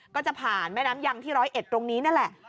ก็จะผ่านแม่น้ำยังที่๑๐๑ตรงนี้นั่นแหละ